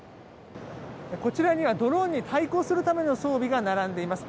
こちらにはドローンに対抗するための装備が並んでいます。